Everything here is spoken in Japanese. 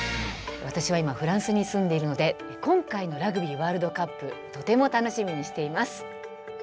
私は今フランスに住んでいるので今回のラグビーワールドカップとても楽しみにしています。